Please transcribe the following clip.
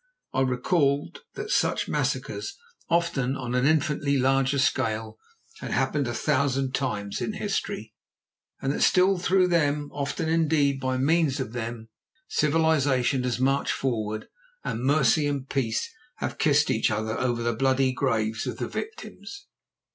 I recalled that such massacres, often on an infinitely larger scale, had happened a thousand times in history, and that still through them, often, indeed, by means of them, civilisation has marched forward, and mercy and peace have kissed each other over the bloody graves of the victims.